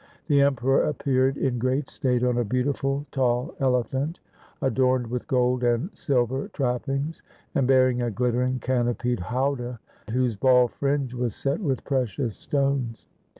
The Emperor appeared in great state on a beautiful tall elephant adorned with gold and silver trappings and bearing a glittering canopied hau da, whose ball fringe was set with precious stones.